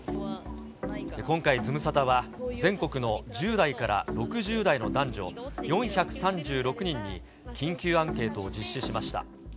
今回、ズムサタは全国の１０代から６０代の男女４３６人に緊急アンケートを実施しました。